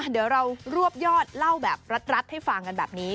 เดี๋ยวเรารวบยอดเล่าแบบรัดให้ฟังกันแบบนี้